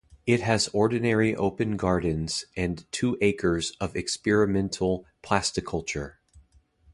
It has ordinary open gardens and two acres of experimental "plasticulture".